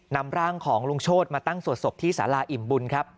นำร่างของลุงโชธมาตั้งสวดศพที่สาราอิ่มบุญครับ